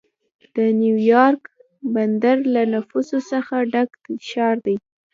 د نیویارک بندر له نفوسو څخه ډک ښار دی.